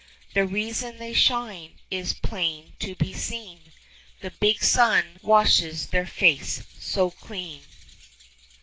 The reason they shine is plain to be seen : The big Sun washes their faces so clean.